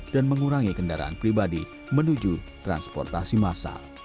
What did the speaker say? mengurangi kendaraan pribadi menuju transportasi massal